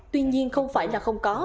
tuy nhiên không phải là không có